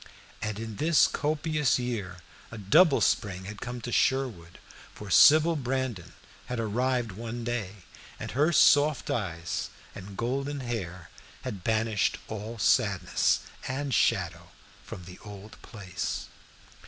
And in this copious year a double spring had come to Sherwood, for Sybil Brandon had arrived one day, and her soft eyes and golden hair had banished all sadness and shadow from the old place.